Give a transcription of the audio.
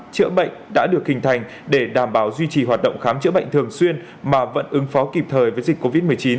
chữa bệnh đã được hình thành để đảm bảo duy trì hoạt động khám chữa bệnh thường xuyên mà vẫn ứng phó kịp thời với dịch covid một mươi chín